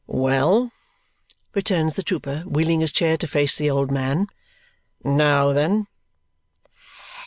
"Well!" returns the trooper, wheeling his chair to face the old man. "Now then?"